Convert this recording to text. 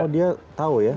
oh dia tau ya